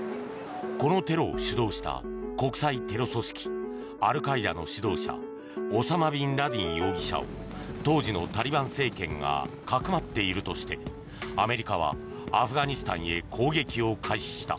このテロを主導した国際テロ組織アルカイダの指導者オサマ・ビンラディン容疑者を当時のタリバン政権がかくまっているとしてアメリカはアフガニスタンへ攻撃を開始した。